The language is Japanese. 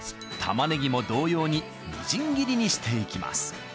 玉ねぎも同様にみじん切りにしていきます